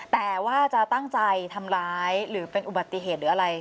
แต่ว่าจะตั้งใจทำร้ายหรือเป็นอุบัติเหตุหรืออะไร